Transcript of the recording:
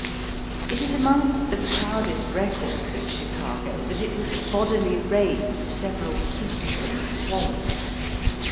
It is amongst the proudest records of Chicago that it was bodily raised several feet from a swamp.